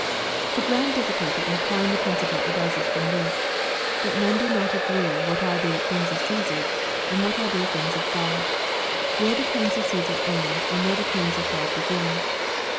The grand difficulty in applying the principle arises from this, that men do not agree what are the " things of Caesar,'* and what are the " things of God," — where the claims of Caesar end, and where the claims of God begin.